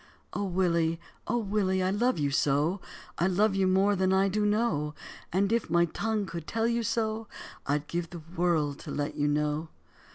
"O Willie, O Willie, I love you so, I love you more than I do know; And if my tongue could tell you so I'd give the world to let you know."